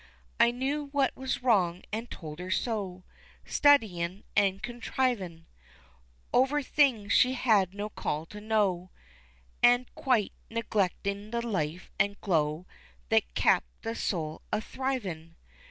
I knew what was wrong, and told her so, Studyin', and contrivin' Over things she had no call to know, An' quite neglectin' the life an' glow That keep the soul a thrivin'.